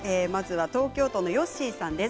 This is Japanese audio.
東京都の方です。